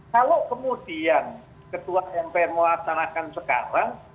kalau kemudian ketua mpr mewacanakan sekarang